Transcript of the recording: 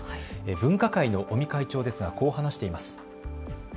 分科会の尾身会長ですがこう話しています。